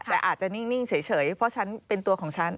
แต่อาจจะนิ่งเฉยเพราะฉันเป็นตัวของฉัน